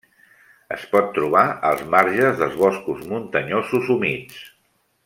Es pot trobar als marges dels boscos muntanyosos humits.